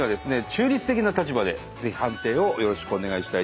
中立的な立場でぜひ判定をよろしくお願いしたいと思います。